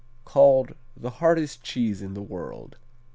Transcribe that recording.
Called "The hardest cheese in the world."